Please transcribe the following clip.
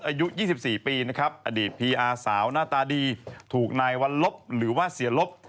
อายุ๒๔ปีนะครับอดีตพีอาสาวหน้าตาดีถูกนายวัลลบหรือว่าเสียลบ